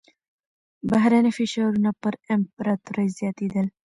بهرني فشارونه پر امپراتورۍ زياتېدل.